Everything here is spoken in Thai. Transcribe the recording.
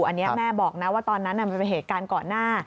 อันนี้แม่บอกว่าตอนนั้นเป็นเหตุการณ์เกาะหน้า